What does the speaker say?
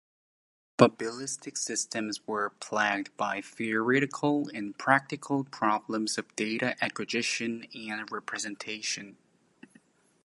Probabilistic systems were plagued by theoretical and practical problems of data acquisition and representation.